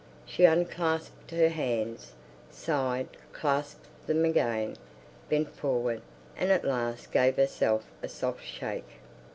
She unclasped her hands, sighed, clasped them again, bent forward, and at last gave herself a soft shake.